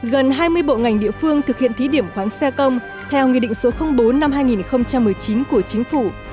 gần hai mươi bộ ngành địa phương thực hiện thí điểm khoáng xe công theo nghị định số bốn năm hai nghìn một mươi chín của chính phủ